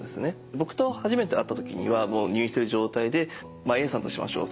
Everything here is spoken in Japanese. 僕と初めて会った時にはもう入院してる状態でまあＡさんとしましょう。